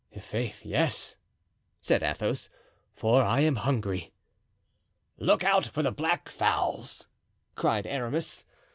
"I'faith, yes," said Athos, "for I am hungry." "Look out for the black fowls!" cried Aramis.